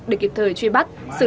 để kịp thời truy bắt đối tượng